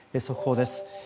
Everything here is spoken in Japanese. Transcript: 速報です。